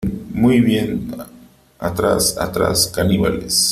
¡ Muy bien , atrás !¡ atrás , caníbales !